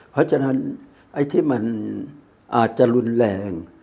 เพราะฉะนั้นไอ้ที่มันอาจจะรุนแรง